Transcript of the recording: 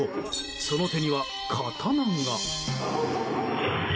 その手には、刀が。